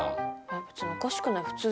別におかしくない普通だよ。